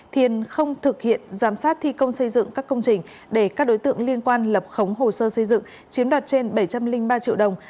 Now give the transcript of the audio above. thiền không thực hiện giám sát thi công xây dựng các công trình để các đối tượng liên quan lập khống hồ sơ xây dựng chiếm đoạt trên bảy trăm linh ba triệu đồng